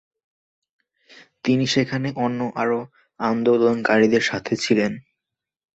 তিনি সেখানে অন্য আরো আন্দোলনকারীদের সাথে ছিলেন।